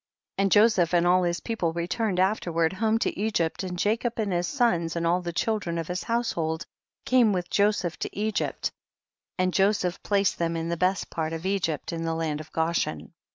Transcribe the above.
1 8. And Joseph and all his people returned afterward home to Egypt, and Jacob and his sons and all the children of his household came with Joseph to Egypt, and Joseph placed them in the best part of Egypt, in the land of Goshen.